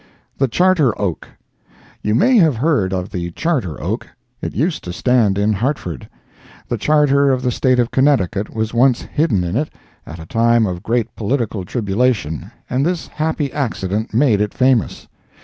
The Charter Oak. You may have heard of the Charter Oak. It used to stand in Hartford. The Charter of the State of Connecticut was once hidden in it, at a time of great political tribulation, and this happy accident made it famous.